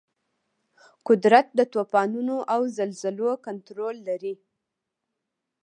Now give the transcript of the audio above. قدرت د طوفانونو او زلزلو کنټرول لري.